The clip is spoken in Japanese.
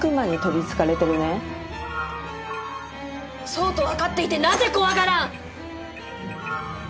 そうと分かっていてなぜ怖がらん！？